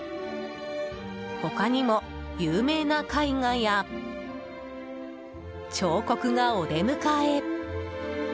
他にも有名な絵画や彫刻がお出迎え。